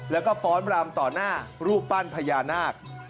แล้วก็ฟ้อนรำต่อหน้ารูปปั้นพญานาค